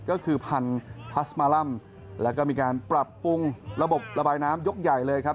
ก็คือพันธุ์พัสมาลัมแล้วก็มีการปรับปรุงระบบระบายน้ำยกใหญ่เลยครับ